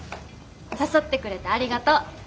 誘ってくれてありがとう。